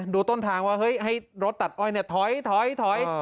ดูต้นทางว่าให้รถตัดอ้อยถอย